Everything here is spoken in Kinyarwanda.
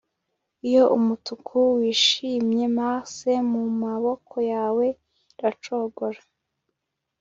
Iyo umutuku wishimye Mars mumaboko yawe iracogora